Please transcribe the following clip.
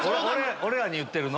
俺らに言ってるの？